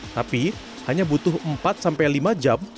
tapi hanya butuh empat sampai lima jam